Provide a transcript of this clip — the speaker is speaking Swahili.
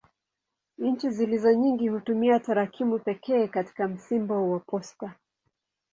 Nchi zilizo nyingi hutumia tarakimu pekee katika msimbo wa posta.